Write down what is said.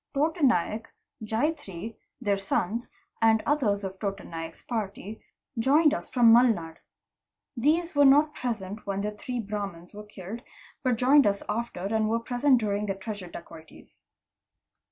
Tota Naik, Jatrya, their sons, and others of Tota Naik's party, joined us from Mulnad. 'These were not present when the three Brahmans were killed, but joined us after and were present during the treasure dacoities.